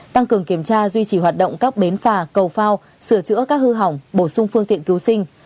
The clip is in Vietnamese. tăng cường kiểm tra duy trì hoạt động các bến phà cầu phao sửa chữa các hư hỏng bổ sung phương tiện cứu sinh